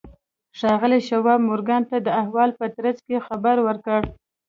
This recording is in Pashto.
ښاغلي شواب مورګان ته د احوال په ترڅ کې خبر ورکړ